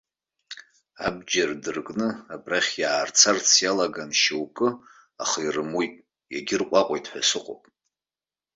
Абџьар дыркны абрахь иаарцарц иалаган шьоукы, аха ирымуит, иагьырҟәаҟәеит ҳәа сыҟоуп.